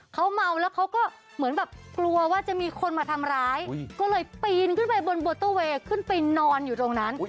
เขาเมาแล้วเขาก็เหมือนแบบกลัวว่าจะมีคนมาทำร้ายก็เลยปีนขึ้นไปบนมอเตอร์เวย์ขึ้นไปนอนอยู่ตรงนั้น